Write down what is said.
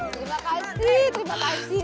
terima kasih terima kasih